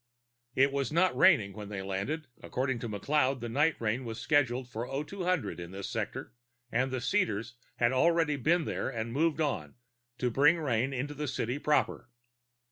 It was not raining when they landed; according to McLeod, the night rain was scheduled for 0200 in this sector, and the seeders had already been here and moved on to bring rain to the city proper.